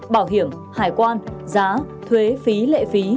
bảo hiểm hải quan giá thuế phí lệ phí